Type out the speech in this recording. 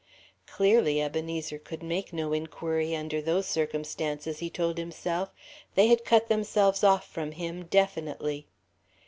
Clearly, Ebenezer could make no inquiry under those circumstances, he told himself. They had cut themselves off from him, definitely.